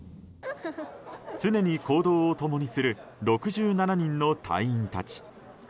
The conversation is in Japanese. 常に行動を共にする６７人の隊員たち。